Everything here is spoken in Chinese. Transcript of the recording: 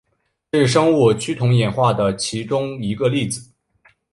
这是生物趋同演化的其中一个例子。